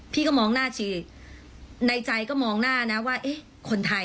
พี่ก็มองหน้าชีในใจก็มองหน้านะว่าเอ๊ะคนไทย